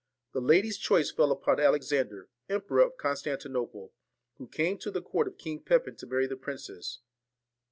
The lady's choice fell upon Alex ander, Emperor of Constantinople, who came to the court of King Pepin to marry the princess.